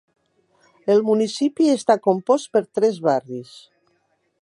El municipi està compost per tres barris.